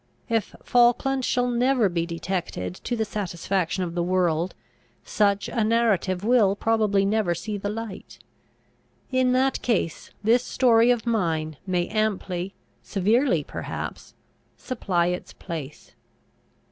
If Falkland shall never be detected to the satisfaction of the world, such a narrative will probably never see the light. In that case this story of mine may amply, severely perhaps, supply its place.